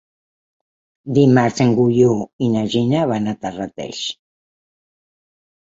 Dimarts en Guiu i na Gina van a Terrateig.